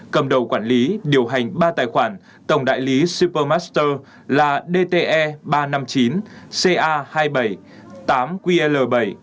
cầm đầu quản lý điều hành ba tài khoản tổng đại lý super master là dte ba trăm năm mươi chín ca hai mươi bảy tám ql bảy